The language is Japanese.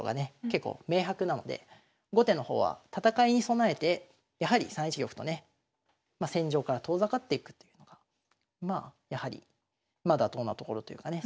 結構明白なので後手の方は戦いに備えてやはり３一玉とねまあ戦場から遠ざかっていくというのがまあやはりまだどんなところというかね